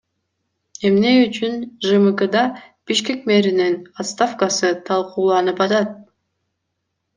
Эмне үчүн ЖМКда Бишкек мэринин отставкасы талкууланып атат?